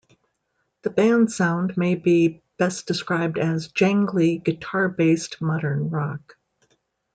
The band's sound may be best described as jangly guitar-based modern rock.